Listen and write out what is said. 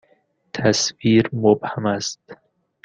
تصویر مبهم است.